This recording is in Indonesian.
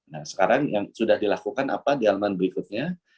nah sekarang yang sudah dilakukan apa di elemen berikutnya